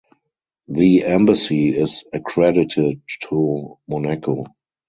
The embassy is accredited to Monaco.